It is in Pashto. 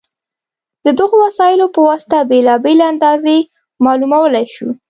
د دغو وسایلو په واسطه بېلابېلې اندازې معلومولی شو.